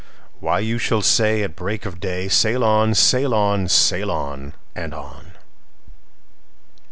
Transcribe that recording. "Why, you shall say at break of day,'Sail on! sail on! sail on! and on!